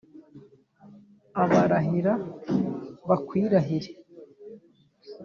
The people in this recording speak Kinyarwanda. Abarahira bakwirahire